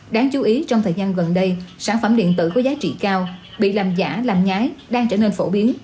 đáng chú ý trong thời gian gần đây sản phẩm điện tử có giá trị cao bị làm giả làm nhái đang trở nên phổ biến